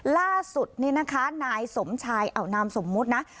ล่าสุดนี่นะคะนายสมชายเอานามสมมุตินะ